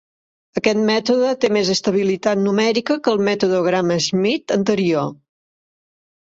Aquest mètode té més estabilitat numèrica que el mètode Gram-Schmidt anterior.